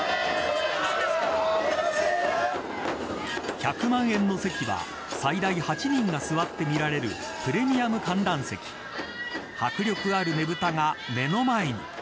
１００万円の席は最大８人が座って見られるプレミアム観覧席迫力あるねぶたが目の前に。